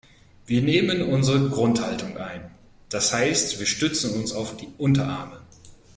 Wir nehmen unsere Grundhaltung ein, das heißt wir stützen uns auf die Unterarme.